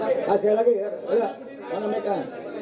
ini kasih lagi ya